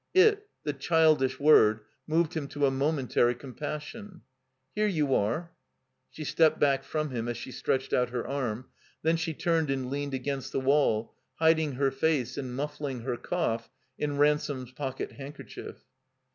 It, the childish word, moved him to a momentary compassion. "Here you are." She stepped back from him as she stretdied out her arm; then she turned and leaned against the wall, hiding her face and muffling her cough in Ran some's pocket handkerchief.